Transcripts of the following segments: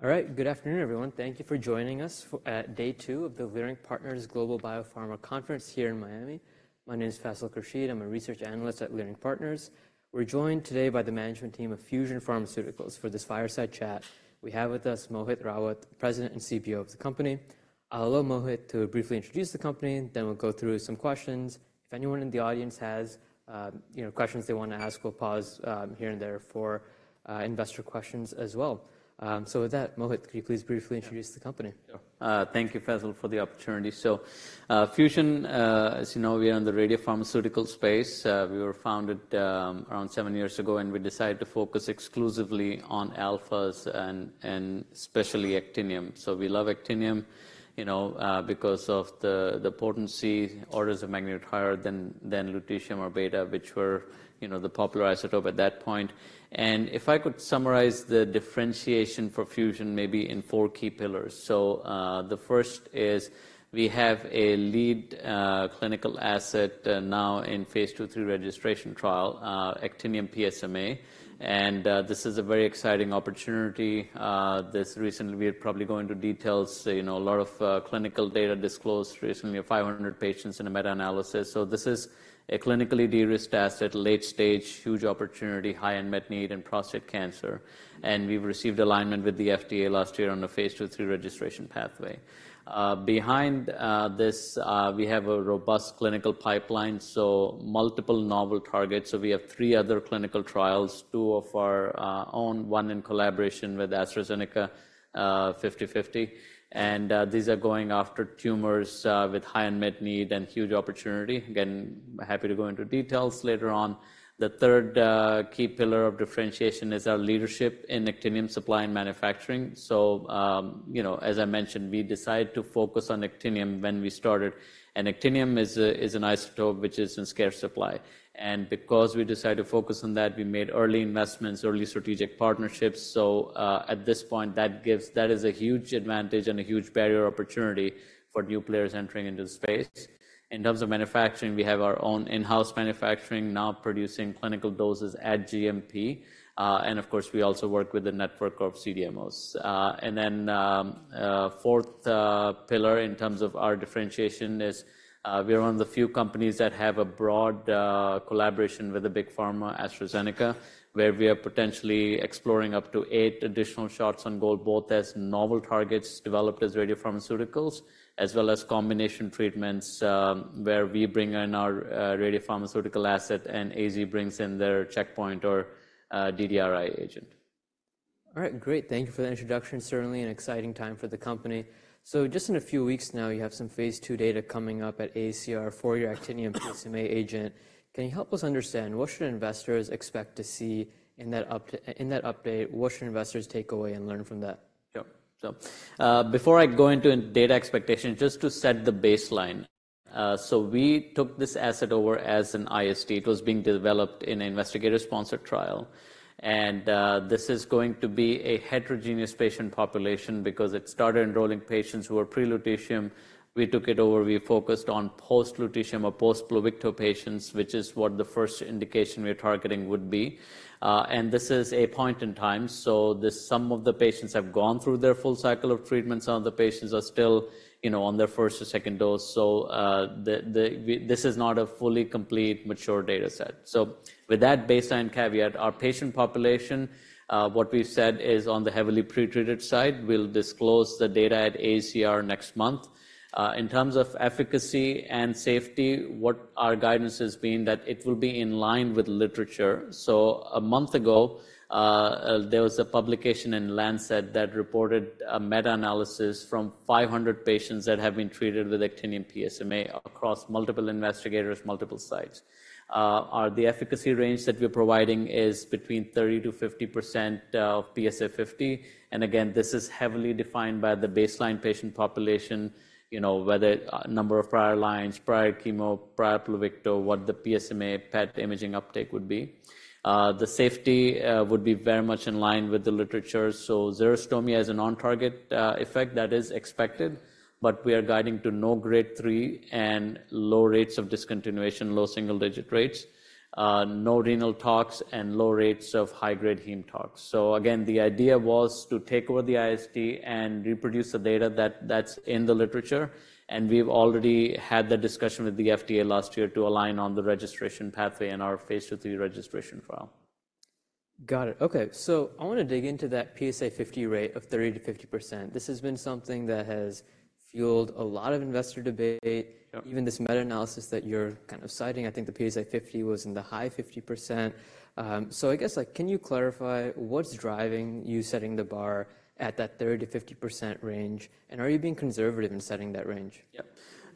All right, good afternoon, everyone. Thank you for joining us for day two of the Leerink Partners Global Biopharma Conference here in Miami. My name is Faisal Khurshid. I'm a research analyst at Leerink Partners. We're joined today by the management team of Fusion Pharmaceuticals for this fireside chat. We have with us Mohit Rawat, President and CBO of the company. I'll allow Mohit to briefly introduce the company, then we'll go through some questions. If anyone in the audience has, you know, questions they want to ask, we'll pause here and there for investor questions as well. So with that, Mohit, could you please briefly introduce the company? Sure. Thank you, Faisal, for the opportunity. So, Fusion, as you know, we are in the radiopharmaceutical space. We were founded around seven years ago, and we decided to focus exclusively on alphas and, and especially actinium. So we love actinium, you know, because of the, the potency orders of magnitude higher than, than lutetium or beta, which were, you know, the popular isotope at that point. If I could summarize the differentiation for Fusion maybe in four key pillars. So, the first is we have a lead clinical asset, now in phase II-III registration trial, actinium PSMA. And this is a very exciting opportunity. This recently we are probably going into details, you know, a lot of clinical data disclosed recently, 500 patients in a meta-analysis. So this is a clinically de-risked asset, late stage, huge opportunity, high unmet need in prostate cancer. We've received alignment with the FDA last year on the phase II-III registration pathway. Behind this, we have a robust clinical pipeline, so multiple novel targets. We have three other clinical trials, two of our own, one in collaboration with AstraZeneca, 50/50. These are going after tumors with high unmet need and huge opportunity. Again, happy to go into details later on. The third key pillar of differentiation is our leadership in actinium supply and manufacturing. So, you know, as I mentioned, we decided to focus on actinium when we started. And actinium is an isotope which is in scarce supply. And because we decided to focus on that, we made early investments, early strategic partnerships. So, at this point, that gives, that is, a huge advantage and a huge barrier opportunity for new players entering into the space. In terms of manufacturing, we have our own in-house manufacturing, now producing clinical doses at GMP. Of course, we also work with a network of CDMOs. Then, fourth pillar in terms of our differentiation is, we're one of the few companies that have a broad collaboration with a big pharma, AstraZeneca, where we are potentially exploring up to eight additional shots on goal, both as novel targets developed as radio-pharmaceuticals, as well as combination treatments, where we bring in our radio-pharmaceutical asset and AZ brings in their checkpoint or DDRI agent. All right, great. Thank you for the introduction. Certainly an exciting time for the company. So just in a few weeks now, you have some phase II data coming up at AACR for your actinium-PSMA agent. Can you help us understand what should investors expect to see in that update? What should investors take away and learn from that? Sure. So, before I go into data expectations, just to set the baseline, so we took this asset over as an IST. It was being developed in an investigator-sponsored trial. This is going to be a heterogeneous patient population because it started enrolling patients who were pre-lutetium. We took it over. We focused on post-lutetium or post-Pluvicto patients, which is what the first indication we're targeting would be. This is a point in time. So, some of the patients have gone through their full cycle of treatment. Some of the patients are still, you know, on their first or second dose. So, this is not a fully complete, mature data set. So with that baseline caveat, our patient population, what we've said is on the heavily pretreated side. We'll disclose the data at AACR next month. In terms of efficacy and safety, what our guidance has been that it will be in line with literature. So a month ago, there was a publication in Lancet that reported a meta-analysis from 500 patients that have been treated with actinium PSMA across multiple investigators, multiple sites. The efficacy range that we're providing is between 30%-50% PSA50. And again, this is heavily defined by the baseline patient population, you know, whether number of prior lines, prior chemo, prior Pluvicto, what the PSMA PET imaging uptake would be. The safety would be very much in line with the literature. So xerostomia is a non-target effect that is expected, but we are guiding to no grade three and low rates of discontinuation, low single-digit rates, no renal tox, and low rates of high-grade heme tox. So again, the idea was to take over the IST and reproduce the data that's in the literature. And we've already had the discussion with the FDA last year to align on the registration pathway in our phase II-III registration trial. Got it. Okay. So I want to dig into that PSA 50 rate of 30%-50%. This has been something that has fueled a lot of investor debate. Sure. Even this meta-analysis that you're kind of citing. I think the PSA 50 was in the high 50%. So I guess, like, can you clarify what's driving you setting the bar at that 30%-50% range? And are you being conservative in setting that range? Yep.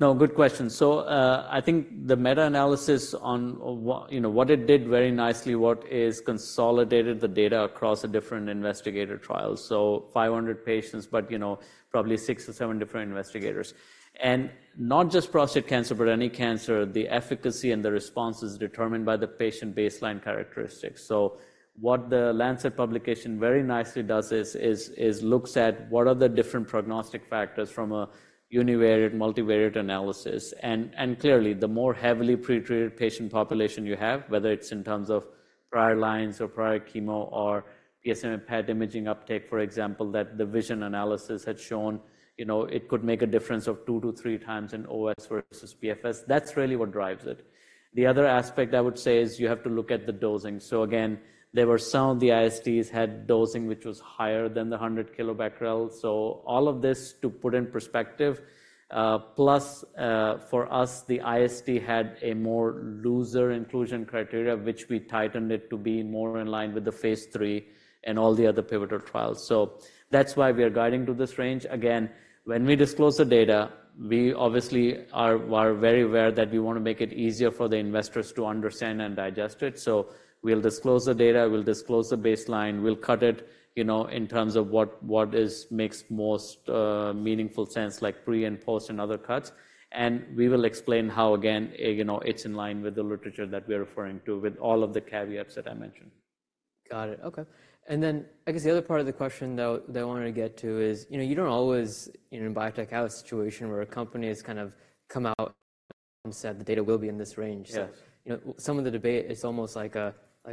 No, good question. So, I think the meta-analysis on what, you know, what it did very nicely is consolidated the data across a different investigator trial. So 500 patients, but, you know, probably six or seven different investigators. And not just prostate cancer, but any cancer, the efficacy and the response is determined by the patient baseline characteristics. So what the Lancet publication very nicely does is look at what are the different prognostic factors from a univariate, multivariate analysis. And clearly, the more heavily pretreated patient population you have, whether it's in terms of prior lines or prior chemo or PSMA PET imaging uptake, for example, that the VISION analysis had shown, you know, it could make a difference of two-three times in OS versus PFS. That's really what drives it. The other aspect I would say is you have to look at the dosing. So again, there were some of the ISTs had dosing which was higher than the 100 kilobecquerel. So all of this to put in perspective, plus, for us, the IST had a more looser inclusion criteria, which we tightened it to be more in line with the phase III and all the other pivotal trials. So that's why we are guiding to this range. Again, when we disclose the data, we obviously are very aware that we want to make it easier for the investors to understand and digest it. So we'll disclose the data. We'll disclose the baseline. We'll cut it, you know, in terms of what makes most meaningful sense, like pre and post and other cuts. We will explain how, again, you know, it's in line with the literature that we are referring to with all of the caveats that I mentioned. Got it. Okay. And then I guess the other part of the question, though, that I wanted to get to is, you know, you don't always, you know, in biotech have a situation where a company has kind of come out and said, "The data will be in this range. Yes. So, you know, some of the debate, it's almost like a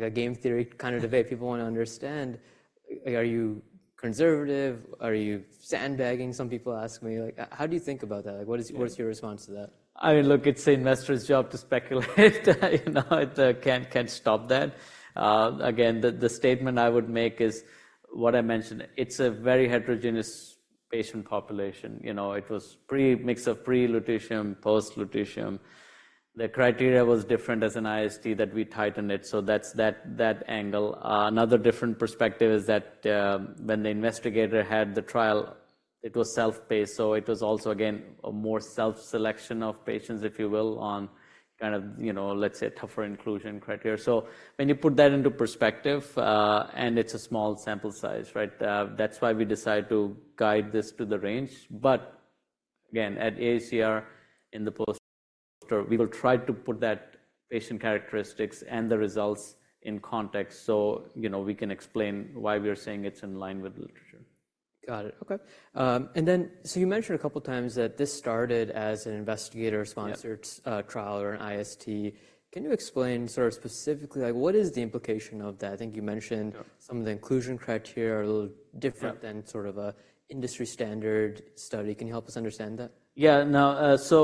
game theory kind of debate. People want to understand, like, are you conservative? Are you sandbagging? Some people ask me. Like, how do you think about that? Like, what's your response to that? I mean, look, it's the investor's job to speculate. You know, it can't stop that. Again, the statement I would make is what I mentioned. It's a very heterogeneous patient population. You know, it was a mix of pre-lutetium, post-lutetium. The criteria was different as an IST that we tightened it. So that's that angle. Another different perspective is that, when the investigator had the trial, it was self-based. So it was also, again, a more self-selection of patients, if you will, on kind of, you know, let's say, tougher inclusion criteria. So when you put that into perspective, and it's a small sample size, right, that's why we decide to guide this to the range. Again, at AACR, in the post-poster, we will try to put that patient characteristics and the results in context so, you know, we can explain why we are saying it's in line with the literature. Got it. Okay. And then, so you mentioned a couple of times that this started as an investigator-sponsored. Yes. trial or an IST. Can you explain sort of specifically, like, what is the implication of that? I think you mentioned. Sure. Some of the inclusion criteria are a little different than sort of an industry standard study. Can you help us understand that? Yeah. No, so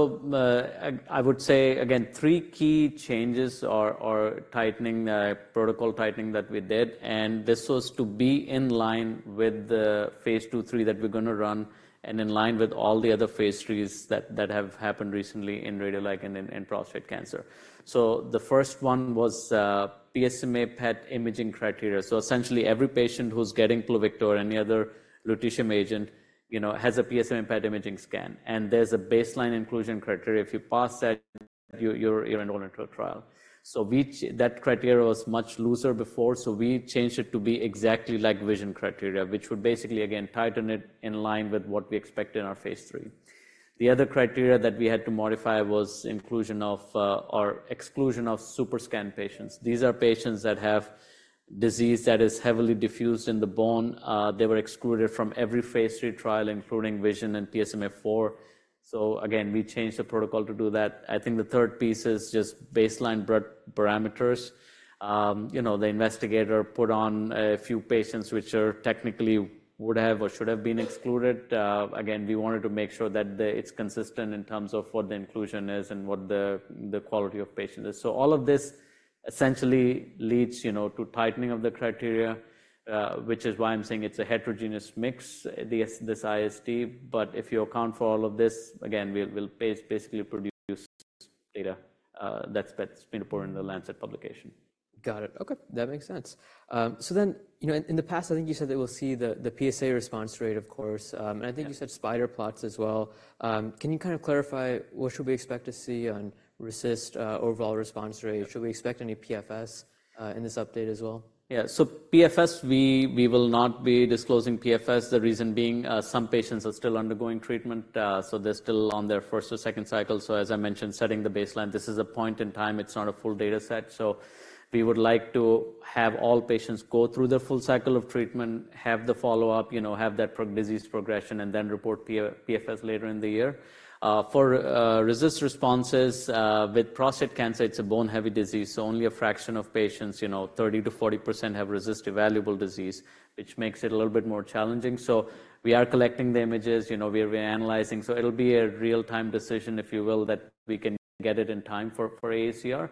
I would say, again, three key changes or tightening, protocol tightening that we did. And this was to be in line with the phase II-III that we're going to run and in line with all the other phase III's that have happened recently in radioligand and in prostate cancer. So the first one was PSMA PET imaging criteria. So essentially, every patient who's getting Pluvicto or any other lutetium agent, you know, has a PSMA PET imaging scan. And there's a baseline inclusion criteria. If you pass that, you're enrolled into a trial. So that criteria was much looser before. So we changed it to be exactly like VISION criteria, which would basically, again, tighten it in line with what we expect in our phase III. The other criteria that we had to modify was inclusion of, or exclusion of superscan patients. These are patients that have disease that is heavily diffuse in the bone. They were excluded from every phase III trial, including VISION and PSMAfore. So again, we changed the protocol to do that. I think the third piece is just baseline blood parameters. You know, the investigator put on a few patients which are technically would have or should have been excluded. Again, we wanted to make sure that it's consistent in terms of what the inclusion is and what the, the quality of patient is. So all of this essentially leads, you know, to tightening of the criteria, which is why I'm saying it's a heterogeneous mix, this IST. But if you account for all of this, again, we'll basically produce data that's been put in the Lancet publication. Got it. Okay. That makes sense. So then, you know, in, in the past, I think you said that we'll see the, the PSA response rate, of course. And I think you said spider plots as well. Can you kind of clarify what should we expect to see on RECIST, overall response rate? Should we expect any PFS, in this update as well? Yeah. So PFS, we will not be disclosing PFS. The reason being, some patients are still undergoing treatment, so they're still on their first or second cycle. So as I mentioned, setting the baseline, this is a point in time. It's not a full data set. So we would like to have all patients go through their full cycle of treatment, have the follow-up, you know, have that disease progression, and then report PFS later in the year. For RECIST responses, with prostate cancer, it's a bone-heavy disease. So only a fraction of patients, you know, 30%-40% have RECIST-evaluable disease, which makes it a little bit more challenging. So we are collecting the images. You know, we are, we're analyzing. So it'll be a real-time decision, if you will, that we can get it in time for AACR.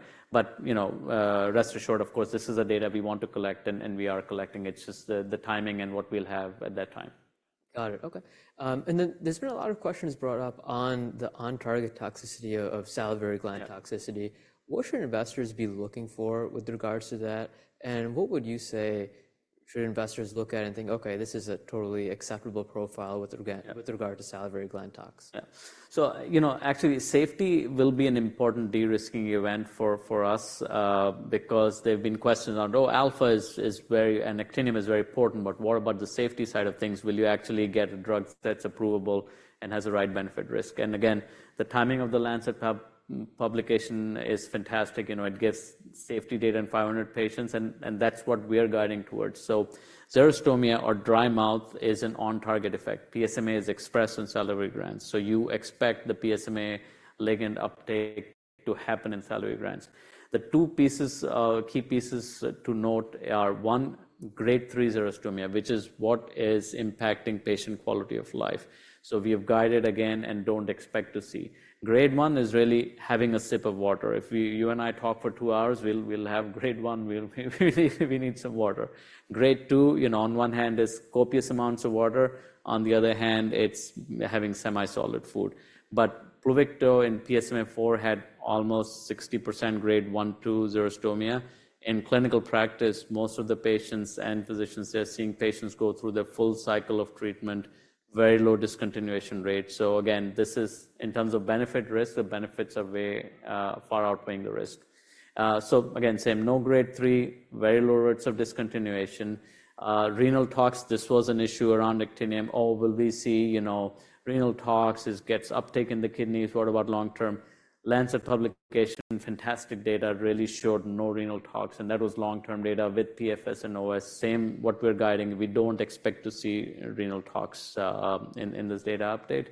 You know, rest assured, of course, this is the data we want to collect, and we are collecting it. It's just the timing and what we'll have at that time. Got it. Okay. And then there's been a lot of questions brought up on the on-target toxicity of salivary gland toxicity. What should investors be looking for with regards to that? And what would you say should investors look at and think, "Okay, this is a totally acceptable profile with regard to salivary gland tox? Yeah. So, you know, actually, safety will be an important de-risking event for us, because there've been questions around, "Oh, alpha is very and actinium is very important. But what about the safety side of things? Will you actually get a drug that's approvable and has the right benefit risk?" And again, the timing of the Lancet pub, publication is fantastic. You know, it gives safety data in 500 patients. And that's what we are guiding towards. So xerostomia or dry mouth is an on-target effect. PSMA is expressed in salivary glands. So you expect the PSMA ligand uptake to happen in salivary glands. The two pieces, key pieces to note are, one, grade three xerostomia, which is what is impacting patient quality of life. So we have guided, again, and don't expect to see. Grade one is really having a sip of water. If we, you and I talk for two hours, we'll have grade 1. We'll need some water. Grade 2, you know, on one hand, is copious amounts of water. On the other hand, it's having semi-solid food. But Pluvicto in PSMAfore had almost 60% grade 1-2 xerostomia. In clinical practice, most of the patients and physicians are seeing patients go through their full cycle of treatment, very low discontinuation rate. So again, this is in terms of benefit-risk, the benefits are way, far outweighing the risk. So again, same, no grade 3, very low rates of discontinuation. Renal tox, this was an issue around actinium. "Oh, will we see, you know, renal tox? It gets uptake in the kidneys? What about long-term?" Lancet publication, fantastic data, really showed no renal tox. And that was long-term data with PFS and OS. Same, what we're guiding. We don't expect to see renal tox in this data update.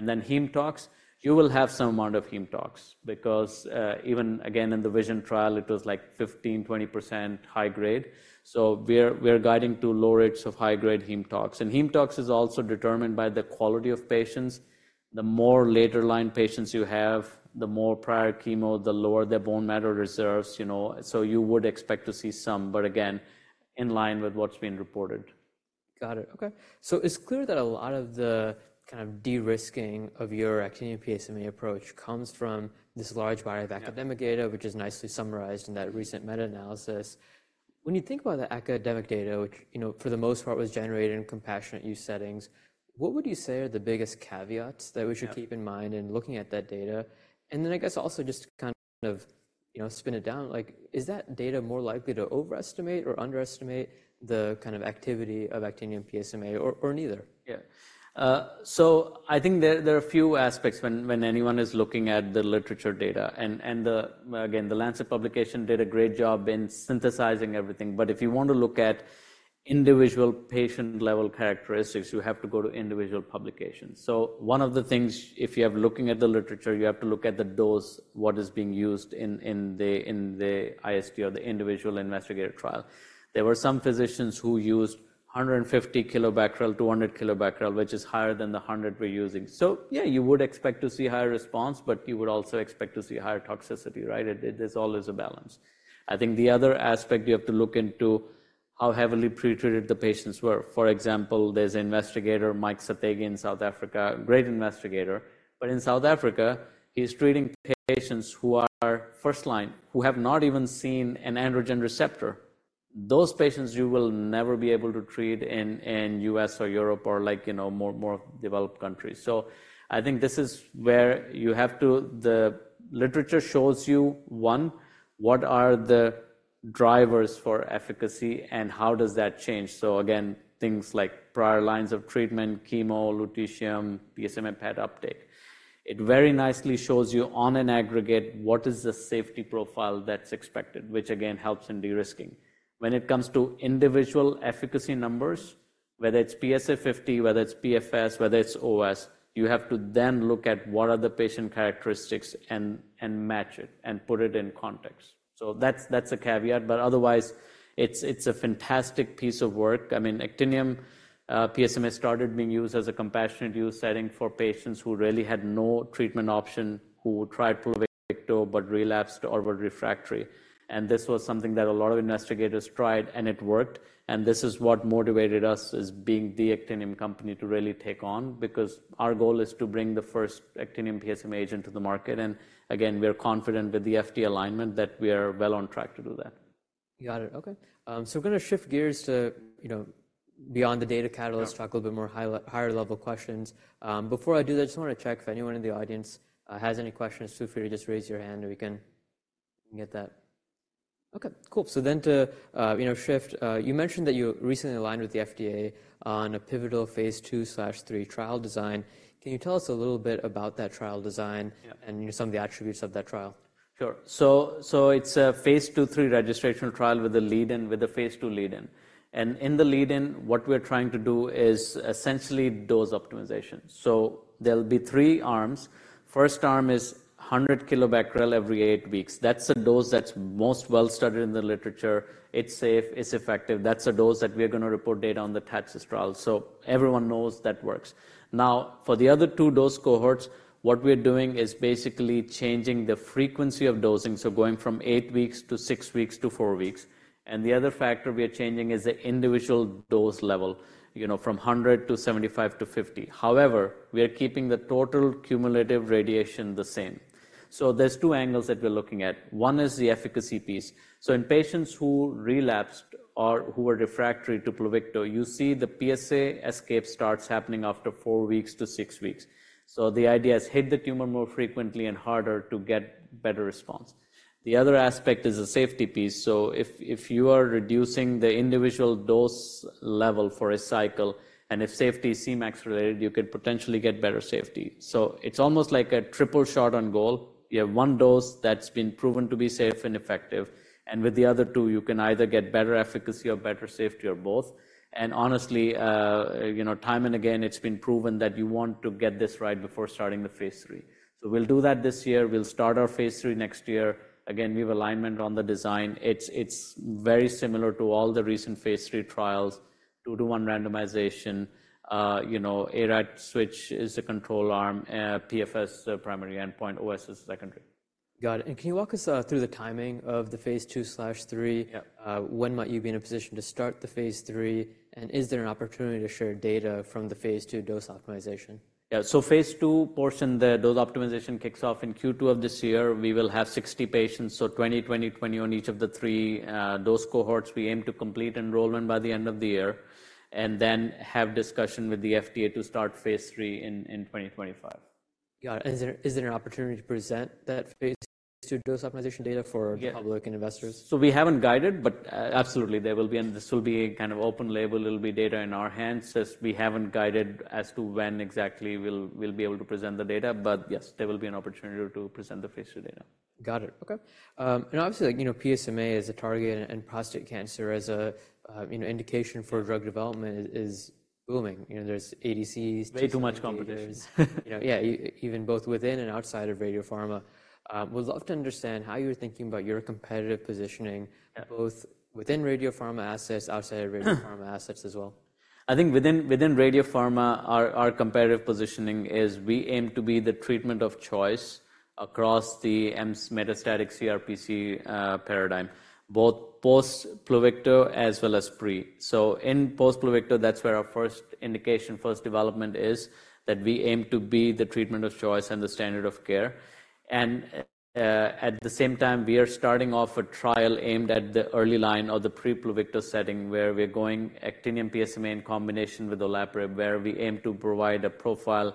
Then heme tox, you will have some amount of heme tox because, even again, in the VISION trial, it was like 15%-20% high-grade. So we're guiding to low rates of high-grade heme tox. And heme tox is also determined by the quality of patients. The more later-line patients you have, the more prior chemo, the lower their bone marrow reserves, you know. So you would expect to see some, but again, in line with what's been reported. Got it. Okay. So it's clear that a lot of the kind of de-risking of your actinium-PSMA approach comes from this large body of academic data, which is nicely summarized in that recent meta-analysis. When you think about the academic data, which, you know, for the most part was generated in compassionate use settings, what would you say are the biggest caveats that we should keep in mind in looking at that data? And then I guess also just kind of, you know, spin it down. Like, is that data more likely to overestimate or underestimate the kind of activity of actinium-PSMA, or, or neither? Yeah. So I think there are a few aspects when anyone is looking at the literature data. And, again, the Lancet publication did a great job in synthesizing everything. But if you want to look at individual patient-level characteristics, you have to go to individual publications. So one of the things, if you are looking at the literature, you have to look at the dose, what is being used in the IST or the investigator-sponsored trial. There were some physicians who used 150 kilobecquerel, 200 kilobecquerel, which is higher than the 100 we're using. So yeah, you would expect to see higher response, but you would also expect to see higher toxicity, right? It there's always a balance. I think the other aspect you have to look into how heavily pretreated the patients were. For example, there's an investigator, Mike Sathekge, in South Africa, a great investigator. But in South Africa, he's treating patients who are first-line, who have not even seen an androgen receptor. Those patients, you will never be able to treat in, in U.S. or Europe or, like, you know, more developed countries. So I think this is where you have to the literature shows you, one, what are the drivers for efficacy, and how does that change? So again, things like prior lines of treatment, chemo, lutetium, PSMA PET uptake. It very nicely shows you on an aggregate what is the safety profile that's expected, which, again, helps in de-risking. When it comes to individual efficacy numbers, whether it's PSA50, whether it's PFS, whether it's OS, you have to then look at what are the patient characteristics and, and match it and put it in context. So that's a caveat. But otherwise, it's a fantastic piece of work. I mean, actinium-PSMA started being used as a compassionate use setting for patients who really had no treatment option, who tried Pluvicto but relapsed or were refractory. And this was something that a lot of investigators tried, and it worked. And this is what motivated us as being the actinium company to really take on because our goal is to bring the first actinium-PSMA agent to the market. And again, we are confident with the FDA alignment that we are well on track to do that. Got it. Okay. So we're going to shift gears to, you know, beyond the data catalyst, talk a little bit more higher-level questions. Before I do that, I just want to check if anyone in the audience has any questions. Feel free to just raise your hand, and we can get that. Okay. Cool. So then to, you know, shift, you mentioned that you recently aligned with the FDA on a pivotal phase 2/3 trial design. Can you tell us a little bit about that trial design. Yeah. You know, some of the attributes of that trial? Sure. So it's a phase II-III registration trial with a lead-in, with a phase II lead-in. And in the lead-in, what we are trying to do is essentially dose optimization. So there'll be three arms. First arm is 100 kilobecquerel every eight weeks. That's a dose that's most well-studied in the literature. It's safe. It's effective. That's a dose that we are going to report data on the TATCIST. So everyone knows that works. Now, for the other two dose cohorts, what we are doing is basically changing the frequency of dosing, so going from eight weeks to six weeks to four weeks. And the other factor we are changing is the individual dose level, you know, from 100 to 75 to 50. However, we are keeping the total cumulative radiation the same. So there's two angles that we're looking at. One is the efficacy piece. So in patients who relapsed or who were refractory to Pluvicto, you see the PSA escape starts happening after four weeks to six weeks. So the idea is hit the tumor more frequently and harder to get better response. The other aspect is the safety piece. So if, if you are reducing the individual dose level for a cycle and if safety is CMAX-related, you could potentially get better safety. So it's almost like a triple shot on goal. You have one dose that's been proven to be safe and effective. And with the other two, you can either get better efficacy or better safety or both. And honestly, you know, time and again, it's been proven that you want to get this right before starting the phase III. So we'll do that this year. We'll start our phase III next year. Again, we have alignment on the design. It's very similar to all the recent phase III trials, two-to-one randomization. You know, ARAT switch is the control arm, PFS primary endpoint, OS is secondary. Got it. Can you walk us through the timing of the phase II/III? Yeah. When might you be in a position to start the phase III? Is there an opportunity to share data from the phase II dose optimization? Yeah. So phase II portion, the dose optimization kicks off in Q2 of this year. We will have 60 patients. So 20, 20, 20 on each of the three dose cohorts. We aim to complete enrollment by the end of the year and then have discussion with the FDA to start phase III in 2025. Got it. And is there an opportunity to present that phase two dose optimization data for the public and investors? Yeah. So we haven't guided, but, absolutely, there will be, and this will be a kind of open label. It'll be data in our hands since we haven't guided as to when exactly we'll be able to present the data. But yes, there will be an opportunity to present the phase II data. Got it. Okay. Obviously, like, you know, PSMA as a target and prostate cancer as a, you know, indication for drug development is booming. You know, there's ADCs. Way too much competition. You know, yeah, even both within and outside of radio pharma, we'd love to understand how you're thinking about your competitive positioning both within radio pharma assets, outside of radio pharma assets as well. I think within radiopharma, our competitive positioning is we aim to be the treatment of choice across the mCRPC paradigm, both post-Pluvicto as well as pre. So in post-Pluvicto, that's where our first indication, first development is that we aim to be the treatment of choice and the standard of care. And at the same time, we are starting off a trial aimed at the early line or the pre-Pluvicto setting where we're going actinium-PSMA in combination with olaparib, where we aim to provide a profile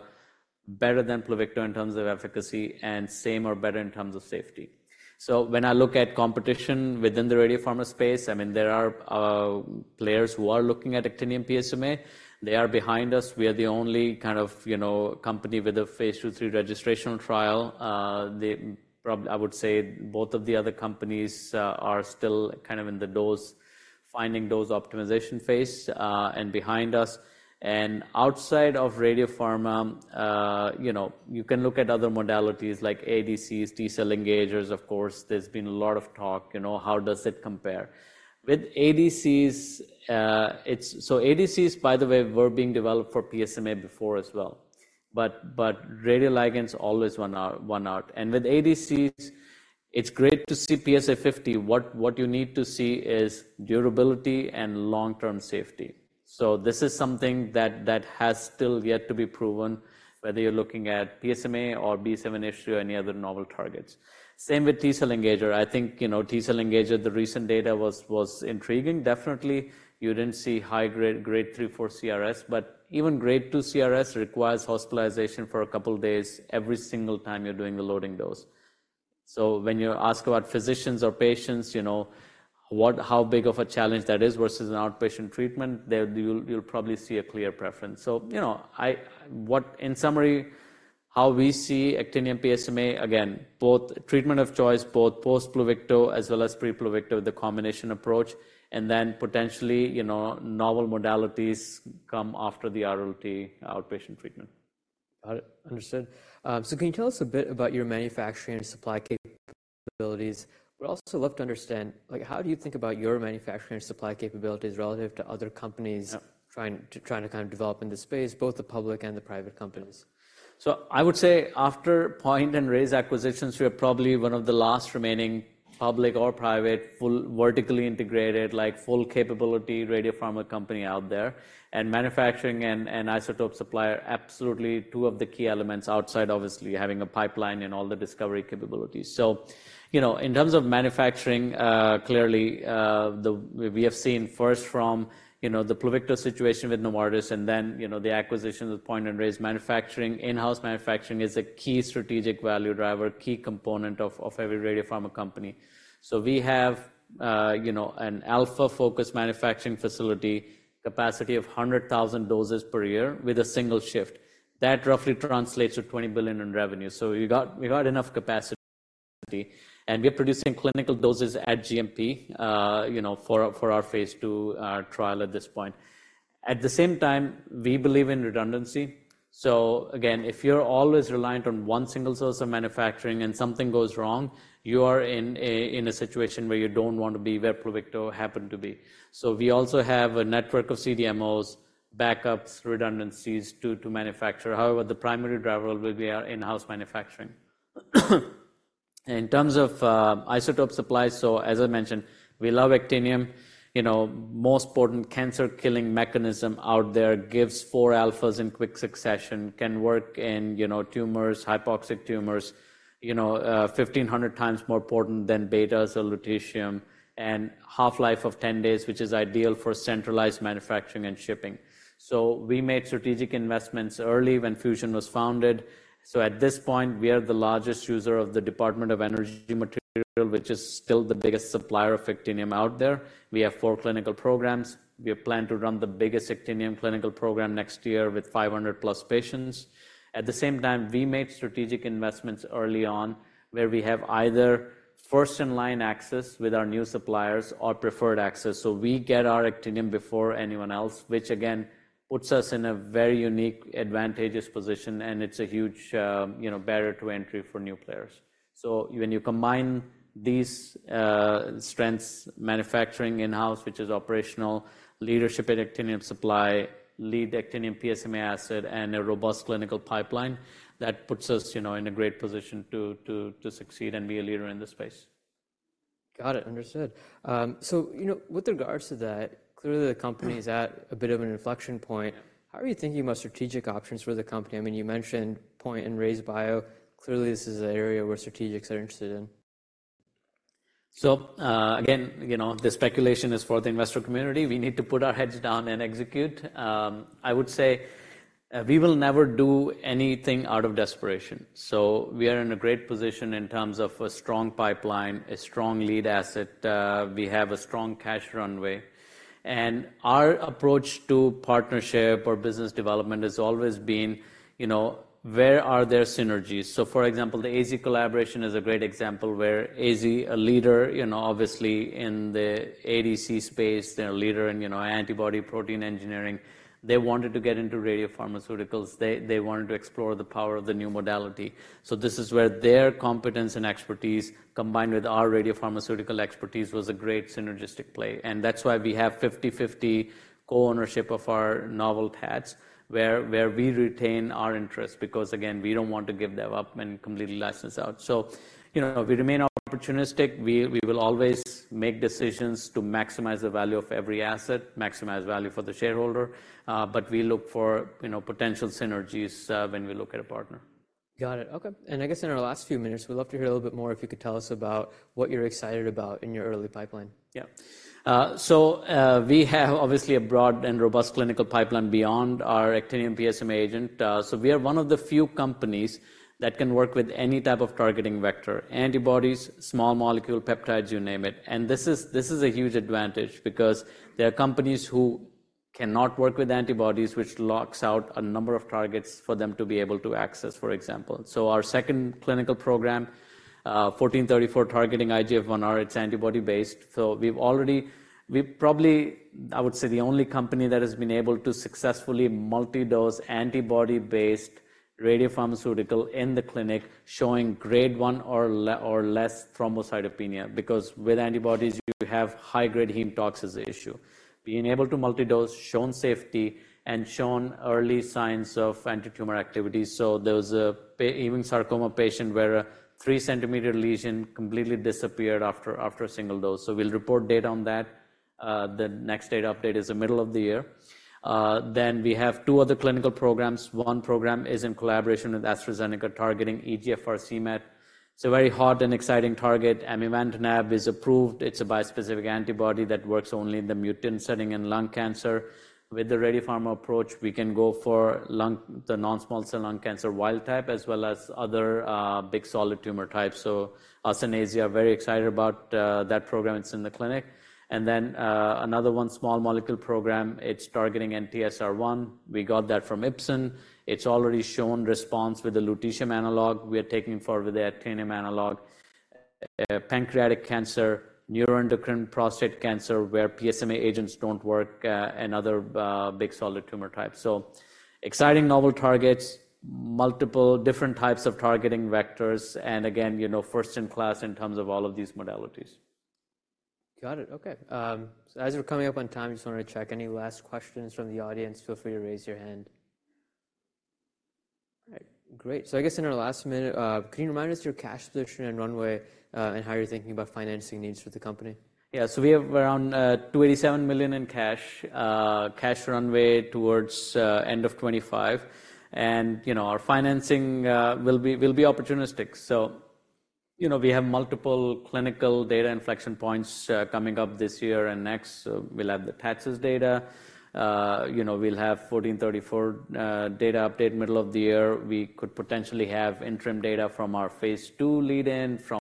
better than Pluvicto in terms of efficacy and same or better in terms of safety. So when I look at competition within the radiopharma space, I mean, there are players who are looking at actinium-PSMA. They are behind us. We are the only kind of, you know, company with a phase II-III registration trial. They probably, I would say, both of the other companies are still kind of in the dose finding dose optimization phase, and behind us. Outside of radio pharma, you know, you can look at other modalities like ADCs, T-cell engagers. Of course, there's been a lot of talk, you know, how does it compare? With ADCs, it's so ADCs, by the way, were being developed for PSMA before as well. But, but radioligands always won out, won out. With ADCs, it's great to see PSA 50. What, what you need to see is durability and long-term safety. This is something that, that has still yet to be proven, whether you're looking at PSMA or B7-H3 or any other novel targets. Same with T-cell engager. I think, you know, T-cell engager, the recent data was, was intriguing, definitely. You didn't see high-grade, grade 3, 4 CRS. But even grade two CRS requires hospitalization for a couple of days every single time you're doing the loading dose. So when you ask about physicians or patients, you know, what how big of a challenge that is versus an outpatient treatment, there you'll, you'll probably see a clear preference. So, you know, I what in summary, how we see actinium-PSMA, again, both treatment of choice, both post-Pluvicto as well as pre-Pluvicto with the combination approach, and then potentially, you know, novel modalities come after the RLT outpatient treatment. Got it. Understood. So can you tell us a bit about your manufacturing and supply capabilities? We'd also love to understand, like, how do you think about your manufacturing and supply capabilities relative to other companies trying to kind of develop in this space, both the public and the private companies? So I would say after Point and Rayze acquisitions, we are probably one of the last remaining public or private full vertically integrated, like, full-capability radio pharma company out there. And manufacturing and, and isotope supplier, absolutely two of the key elements outside, obviously, having a pipeline and all the discovery capabilities. So, you know, in terms of manufacturing, clearly, we have seen first from, you know, the Pluvicto situation with Novartis and then, you know, the acquisition of Point and Rayze. Manufacturing, in-house manufacturing is a key strategic value driver, key component of, of every radio pharma company. So we have, you know, an alpha-focused manufacturing facility, capacity of 100,000 doses per year with a single shift. That roughly translates to $20 billion in revenue. So we got enough capacity. We are producing clinical doses at GMP, you know, for, for our phase II trial at this point. At the same time, we believe in redundancy. Again, if you're always reliant on one single source of manufacturing and something goes wrong, you are in a in a situation where you don't want to be where Pluvicto happened to be. We also have a network of CDMOs, backups, redundancies to, to manufacture. However, the primary driver will be our in-house manufacturing. In terms of isotope supply, as I mentioned, we love actinium. You know, most potent cancer-killing mechanism out there gives four alphas in quick succession, can work in, you know, tumors, hypoxic tumors, you know, 1,500 times more potent than betas or lutetium, and half-life of 10 days, which is ideal for centralized manufacturing and shipping. We made strategic investments early when Fusion was founded. So at this point, we are the largest user of the Department of Energy material, which is still the biggest supplier of actinium out there. We have four clinical programs. We plan to run the biggest actinium clinical program next year with 500+ patients. At the same time, we made strategic investments early on where we have either first-in-line access with our new suppliers or preferred access. So we get our actinium before anyone else, which, again, puts us in a very unique, advantageous position. And it's a huge, you know, barrier to entry for new players. So when you combine these strengths, manufacturing in-house, which is operational, leadership in actinium supply, lead actinium-PSMA asset, and a robust clinical pipeline, that puts us, you know, in a great position to succeed and be a leader in this space. Got it. Understood. So, you know, with regards to that, clearly, the company is at a bit of an inflection point. How are you thinking about strategic options for the company? I mean, you mentioned Point Biopharma and RayzeBio. Clearly, this is an area where strategics are interested in. So, again, you know, the speculation is for the investor community. We need to put our heads down and execute. I would say, we will never do anything out of desperation. So we are in a great position in terms of a strong pipeline, a strong lead asset. We have a strong cash runway. And our approach to partnership or business development has always been, you know, where are there synergies? So for example, the AZ collaboration is a great example where AZ, a leader, you know, obviously, in the ADC space, they're a leader in, you know, antibody protein engineering. They wanted to get into radiopharmaceuticals. They, they wanted to explore the power of the new modality. So this is where their competence and expertise combined with our radiopharmaceutical expertise was a great synergistic play. That's why we have 50/50 co-ownership of our novel TATs where we retain our interest because, again, we don't want to give them up and completely license out. So, you know, we remain opportunistic. We will always make decisions to maximize the value of every asset, maximize value for the shareholder. But we look for, you know, potential synergies when we look at a partner. Got it. Okay. And I guess in our last few minutes, we'd love to hear a little bit more if you could tell us about what you're excited about in your early pipeline? Yeah. So, we have obviously a broad and robust clinical pipeline beyond our actinium-PSMA agent. So we are one of the few companies that can work with any type of targeting vector, antibodies, small molecule, peptides, you name it. And this is a huge advantage because there are companies who cannot work with antibodies, which locks out a number of targets for them to be able to access, for example. So our second clinical program, 1434 targeting IGF-1R, it's antibody-based. So we've already we probably, I would say, the only company that has been able to successfully multidose antibody-based radiopharmaceutical in the clinic showing grade 1 or less thrombocytopenia because with antibodies, you have high-grade heme toxicity issue. Being able to multidose, shown safety, and shown early signs of antitumor activity. So there was a patient, even a sarcoma patient, where a 3 cm lesion completely disappeared after a single dose. So we'll report data on that. The next data update is the middle of the year. Then we have two other clinical programs. One program is in collaboration with AstraZeneca targeting EGFR-cMET. It's a very hot and exciting target. Amivantamab is approved. It's a bispecific antibody that works only in the mutant setting in lung cancer. With the radio pharma approach, we can go for lung the non-small cell lung cancer wild type as well as other big solid tumor types. So AstraZeneca are very excited about that program. It's in the clinic. And then another one, small molecule program, it's targeting NTSR1. We got that from Ipsen. It's already shown response with the lutetium analog we are taking for with the actinium analog, pancreatic cancer, neuroendocrine prostate cancer where PSMA agents don't work, and other big solid tumor types. So exciting novel targets, multiple different types of targeting vectors. And again, you know, first-in-class in terms of all of these modalities. Got it. Okay, so as we're coming up on time, just wanted to check any last questions from the audience. Feel free to raise your hand. All right. Great. So I guess in our last minute, can you remind us your cash position and runway, and how you're thinking about financing needs for the company? Yeah. So we have around $287 million in cash, cash runway toward the end of 2025. And, you know, our financing will be opportunistic. So, you know, we have multiple clinical data inflection points coming up this year and next. So we'll have the TATs' data. You know, we'll have 1434 data update middle of the year. We could potentially have interim data from our phase II lead-in from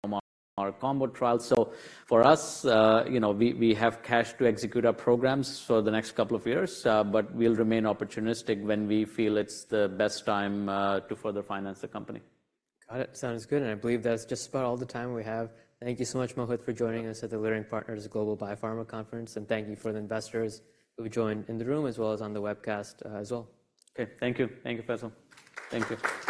our combo trial. So for us, you know, we have cash to execute our programs for the next couple of years. But we'll remain opportunistic when we feel it's the best time to further finance the company. Got it. Sounds good. And I believe that's just about all the time we have. Thank you so much, Mohit, for joining us at the Leerink Partners Global Biopharma Conference. And thank you for the investors who joined in the room as well as on the webcast, as well. Okay. Thank you. Thank you, Faisal. Thank you.